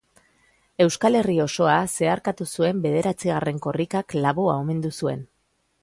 Euskal Herri osoa zeharkatu zuen bederatzigarren Korrikak Laboa omendu zuen